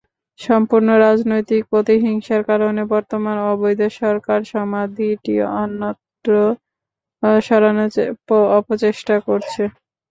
সম্পূর্ণ রাজনৈতিক প্রতিহিংসার কারণে বর্তমান অবৈধ সরকার সমাধিটি অন্যত্র সরানোর অপচেষ্টা করছে।